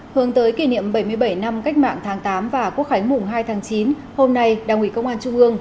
hướng tới kỷ niệm bảy mươi bảy năm cách mạng tháng tám và quốc khánh mùng hai tháng chín hôm nay đảng ủy công an trung ương